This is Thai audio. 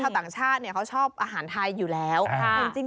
เช่าต่างชาติเขาชอบอาหารไทยอยู่แล้วค่ะ